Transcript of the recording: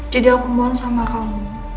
jadi aku mohon sama kamu